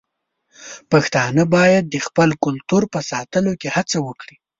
پښتانه بايد د خپل کلتور په ساتلو کې هڅه وکړي.